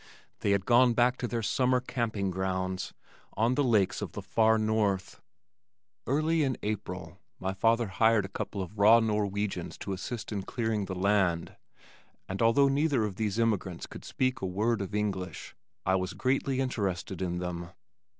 They had gone back to their summer camping grounds on the lakes of the far north. Early in April my father hired a couple of raw Norwegians to assist in clearing the land, and although neither of these immigrants could speak a word of English, I was greatly interested in them.